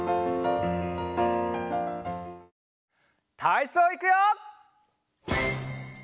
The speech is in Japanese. たいそういくよ！